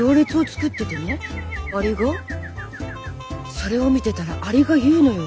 それを見てたらアリが言うのよ。